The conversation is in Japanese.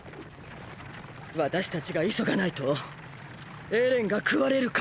私たちが急がないとエレンが食われるかもしれない。